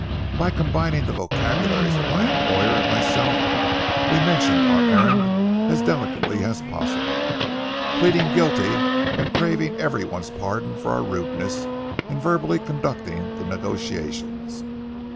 By combining the vocabularies of my employer and myself, we mentioned our errand as delicately as possible, pleading guilty and craving every one's pardon for our rudeness in verbally conducting the negotiations.